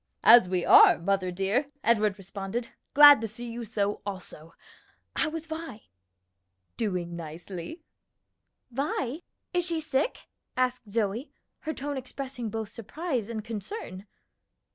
"As we are, mother dear," Edward responded. "Glad to see you so, also. How is Vi?" "Doing nicely." "Vi! Is she sick?" asked Zoe, her tone expressing both surprise and concern.